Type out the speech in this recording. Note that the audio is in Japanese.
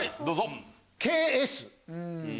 どうぞ。